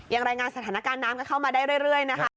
อย่างรายงานสถานการณ์น้ำก็เข้ามาได้เรื่อยนะครับ